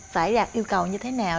phải đặt yêu cầu như thế nào